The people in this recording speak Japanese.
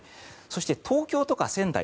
そして、東京とか仙台